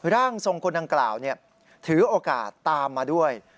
ร่างทรงคนดังกล่าวถือโอกาสตามมาด้วย